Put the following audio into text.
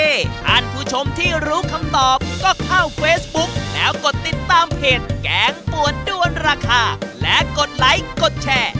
ท่านผู้ชมที่รู้คำตอบก็เข้าเฟซบุ๊กแล้วกดติดตามเพจแกงป่วนด้วนราคาและกดไลค์กดแชร์